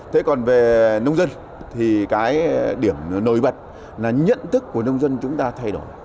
thế còn về nông dân thì cái điểm nổi bật là nhận thức của nông dân chúng ta thay đổi